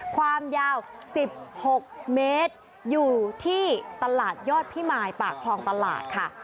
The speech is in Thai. ความยาว๑๖เมตรอยู่ที่ตลาดยอดพิมายปากคลองตลาดค่ะ